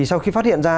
sau khi phát hiện ra